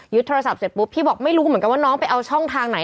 โทรศัพท์เสร็จปุ๊บพี่บอกไม่รู้เหมือนกันว่าน้องไปเอาช่องทางไหน